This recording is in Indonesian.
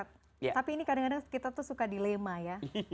tapi ini kadang kadang kita tuh suka dilema ya